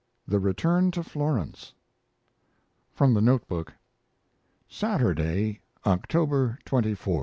THE RETURN TO FLORENCE From the note book: Saturday, October 24, 1903.